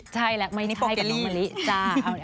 ใช่แหละไม่ใช่กับน้องมะลิจ้าเอาหน่อย